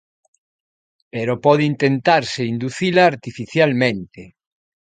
Pero pode intentarse inducila artificialmente.